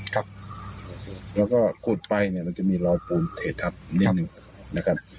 แล้วก็คูดไปมันจะมีราวปูนเทศัพท์นิดหนึ่ง